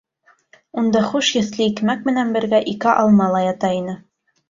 Унда хуш еҫле икмәк менән бергә ике алма ла ята ине.